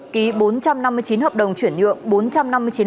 ký bốn trăm năm mươi chín hợp đồng chuyển nhượng